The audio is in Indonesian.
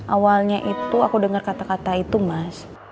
awalnya itu aku dengar kata kata itu mas